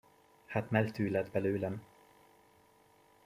Hát melltű lett belőlem!